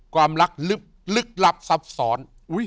ความรักลึกลับซับซ้อน